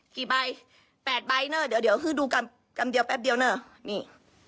กี่ใบแปดใบเนอะเดี๋ยวเดี๋ยวคือดูกำเดียวแป๊บเดียวเนอะนี่